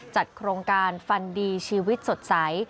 จัดโครงการฟันดีชีวิตสดใส